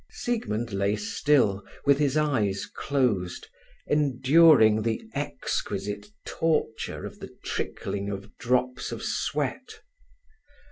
Siegmund lay still, with his eyes closed, enduring the exquisite torture of the trickling of drops of sweat.